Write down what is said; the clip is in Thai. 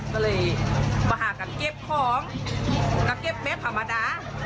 ก็เลยมาหากันเก็บของกับเก็บเบ็บภามาระ